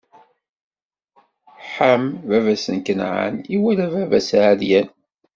Ḥam, baba-s n Kanɛan, iwala baba-s ɛeryan.